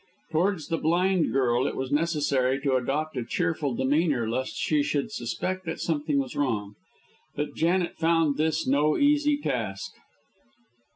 Towards the blind girl it was necessary to adopt a cheerful demeanour lest she should suspect that something was wrong. But Janet found this no easy task.